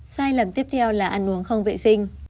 sai lầm tiếp theo là ăn uống không vệ sinh